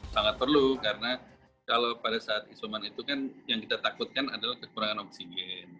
sangat perlu karena kalau pada saat isoman itu kan yang kita takutkan adalah kekurangan oksigen